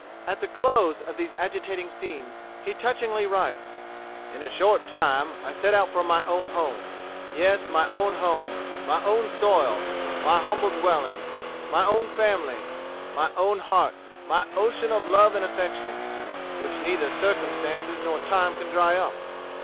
At the close of these agitating scenes he touchingly writes: "In a short time I set out for my own home; yes, my own home, my own soil, my humble dwelling, my own family, my own hearts, my ocean of love and affection, which neither circumstances nor time can dry up.